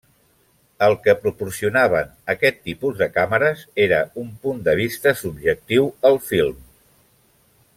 El que proporcionaven aquest tipus de càmeres, era un punt de vista subjectiu al film.